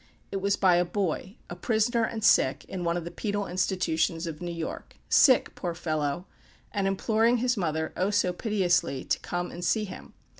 It was by a boy, a prisoner and sick, in one of the penal institutions of New York sick, poor fellow! and imploring his mother oh, so piteously! to come and see him.